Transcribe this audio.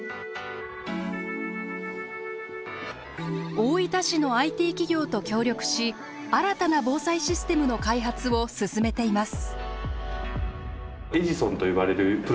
大分市のＩＴ企業と協力し新たな防災システムの開発を進めています。